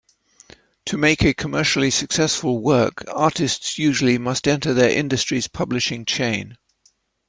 To make a commercially successful work, artists usually must enter their industry's publishing chain.